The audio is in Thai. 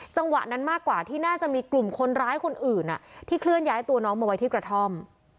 จังหวะนั้นมากกว่าที่น่าจะมีกลุ่มคนร้ายคนอื่นที่เคลื่อนย้ายตัวน้องมาไว้ที่กระท่อม